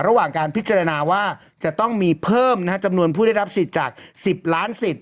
ระหว่างการพิจารณาว่าจะต้องมีเพิ่มจำนวนผู้ได้รับสิทธิ์จาก๑๐ล้านสิทธิ